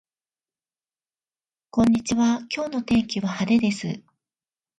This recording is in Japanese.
こんにちは今日の天気は晴れです